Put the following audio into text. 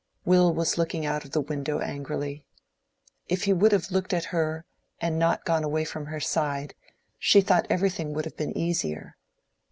Will was looking out of the window angrily. If he would have looked at her and not gone away from her side, she thought everything would have been easier.